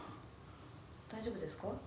大丈夫ですか？